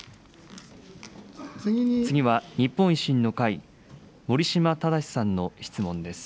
次は日本維新の会、守島正さんの質問です。